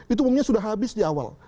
itu umumnya sudah habis di awal